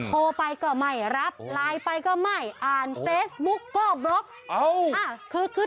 โทรไปก็ไม่รับไลน์ไปก็ไม่อ่านเฟซบุ๊กก็บล็อก